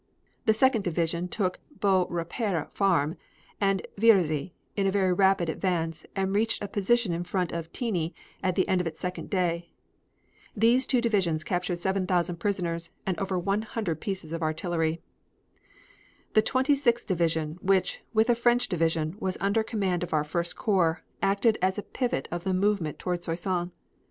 The Second Division took Beau Repaire farm and Vierzy in a very rapid advance and reached a position in front of Tigny at the end of its second day. These two divisions captured 7,000 prisoners and over 100 pieces of artillery. The Twenty sixth Division, which, with a French division, was under command of our First Corps, acted as a pivot of the movement toward Soissons.